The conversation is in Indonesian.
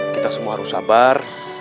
kita semua harus sabar